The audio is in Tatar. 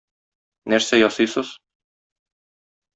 Нәрсә ясыйсыз?